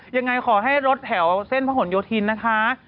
ยังไงก็ขอให้รถแถวเช่นพร้อมหลนโยธินนะคะ